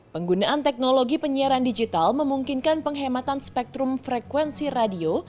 penggunaan teknologi penyiaran digital memungkinkan penghematan spektrum frekuensi radio